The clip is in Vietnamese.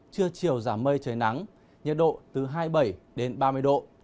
trưa chiều giảm mây trời nắng nhiệt độ từ hai mươi bảy đến ba mươi độ